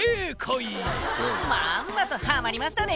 「まんまとハマりましたね